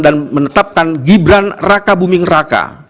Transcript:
dan menetapkan gibran raka buming raka